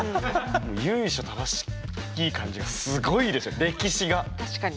由緒正しい感じがすごいでしょ歴史が。